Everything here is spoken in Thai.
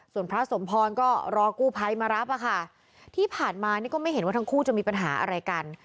ส่วนพระสมพรก็รอกู้ภัยมารับอะค่ะที่ผ่านมานี่ก็ไม่เห็นว่าทั้งคู่จะมีปัญหาอะไรกัน